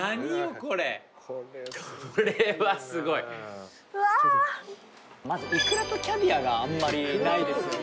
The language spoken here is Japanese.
これこれはすごいうわっまずいくらとキャビアがあんまりないですよね